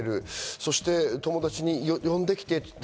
そして友達に呼んできてって。